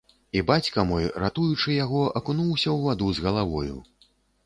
І бацька мой, ратуючы яго, акунуўся ў ваду з галавою.